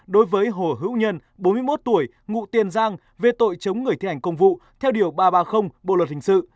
đối với hồ hữu nhân bốn mươi một tuổi ngụ tiền giang về tội chống người thi hành công vụ theo điều ba trăm ba mươi bộ luật hình sự